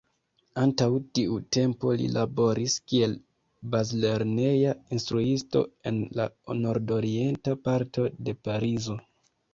Antaŭ tiu tempo li laboris kiel bazlerneja instruisto en la nordorienta parto de Parizo.